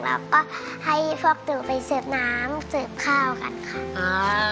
แล้วก็ให้พวกหนูไปเสือบน้ำเสือบข้าวกันค่ะ